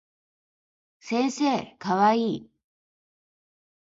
先生かわいい